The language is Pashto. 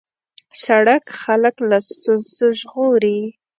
سړک خلک له ستونزو ژغوري.